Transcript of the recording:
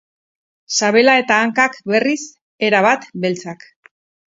Sabela eta hankak, berriz, erabat beltzak.